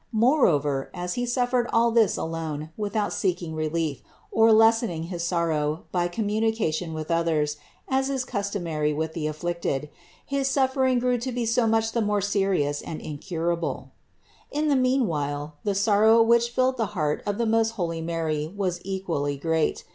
Moreover, as he suffered all this alone without seeking relief or lessening his sorrow by communication with others, as is customary with the afflicted, his suffering grew to be so much the more serious and incurable. 389. In the meanwhile the sorrow which filled the heart of the most holy Mary was equally great.